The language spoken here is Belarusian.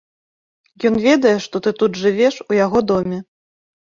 Ён ведае, што ты тут жывеш у яго доме.